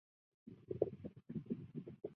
波吉亚寓所是梵蒂冈使徒宫内的一组房间。